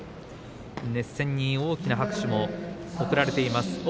熱戦に大きな拍手も送られています。